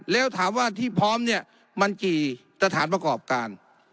แล้วถามว่าที่พร้อมเนี่ยมันกี่สถานประกอบการ